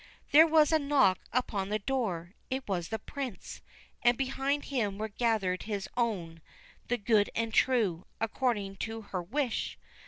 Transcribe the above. There was a knock upon the door. It was the Prince, and behind him were gathered his own, the good and true, according to her wish.